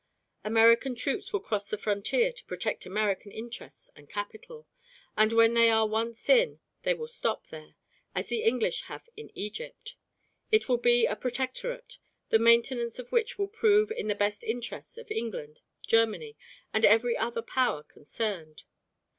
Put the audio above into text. American troops will cross the frontier to protect American interests and capital; and when they are once in they will stop there, as the English have in Egypt. It will be a Protectorate, the maintenance of which will prove in the best interests of England, Germany, and every other Power concerned.